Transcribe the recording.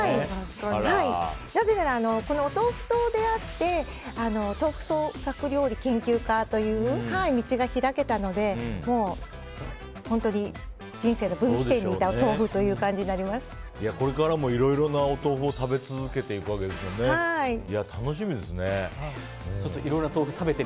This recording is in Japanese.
なぜならお豆腐と出会って豆腐創作料理研究家という道が開けたので人生の分岐点にいたこれからもいろいろなお豆腐を食べ続けるんですね楽しみですね。